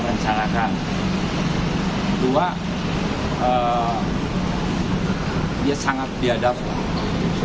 dan saya juga sangat dihadapi